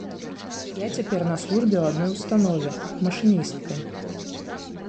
Я цяпер на службе ў адной установе, машыністкай.